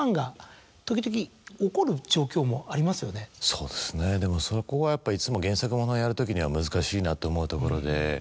そうですねでもそこはやっぱいつも原作ものをやる時には難しいなと思うところで。